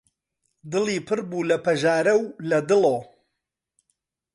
دڵی پڕ بوو لە پەژارە و لە دڵۆ